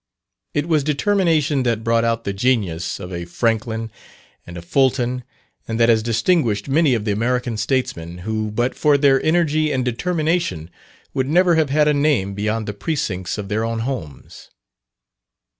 It was determination that brought out the genius of a Franklin, and a Fulton, and that has distinguished many of the American Statesmen, who but for their energy and determination would never have had a name beyond the precincts of their own homes.